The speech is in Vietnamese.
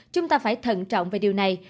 chúng ta phải thận trọng về điều này